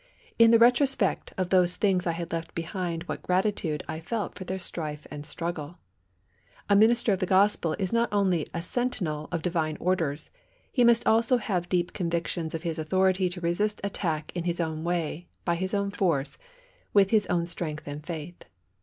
In the retrospect of those things I had left behind what gratitude I felt for their strife and struggle! A minister of the Gospel is not only a sentinel of divine orders, he must also have deep convictions of his authority to resist attack in his own way, by his own force, with his own strength and faith.